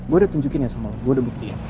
gue udah tunjukin ya sama lo gue udah bukti ya